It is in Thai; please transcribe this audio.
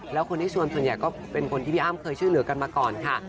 แล้วคนที่ชวนส่วนใหญ่ก็เป็นคนที่พี่อ้ำเคยช่วยเหลือกันมาก่อนค่ะ